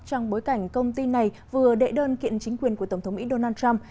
trong bối cảnh công ty này vừa đệ đơn kiện chính quyền của tổng thống mỹ donald trump